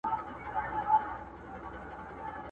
پوه دي سوم له سترګو راته مه وایه ګران څه ویل!.